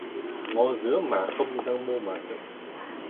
Ngó rứa mà không răng mô mà sợ